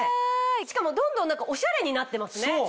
しかもどんどんオシャレになってますね。